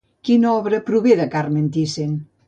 Quina obra prové de Carmen Thyssen?